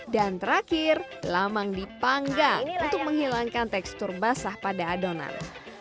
dan terakhir lamang dipanggang untuk menghilangkan tekstur basah pada adonan